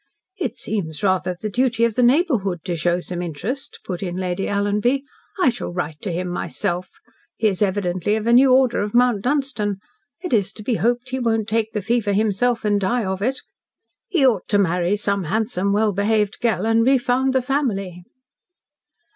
"It seems rather the duty of the neighbourhood to show some interest," put in Lady Alanby. "I shall write to him myself. He is evidently of a new order of Mount Dunstan. It's to be hoped he won't take the fever himself, and die of it He ought to marry some handsome, well behaved girl, and re found the family."